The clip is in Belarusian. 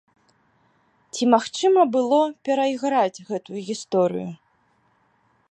Ці магчыма было перайграць гэтую гісторыю?